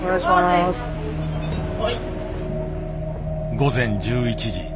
午前１１時。